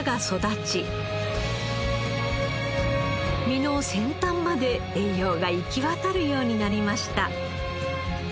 実の先端まで栄養が行き渡るようになりました。